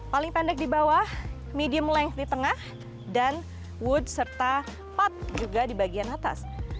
paling pendek di bawah medium lengk di tengah dan wood serta put juga di bagian atas